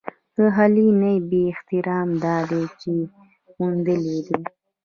د خلي نه بې اختياره داد ئې موندلے دے ۔